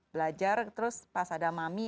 belajar terus pas ada mami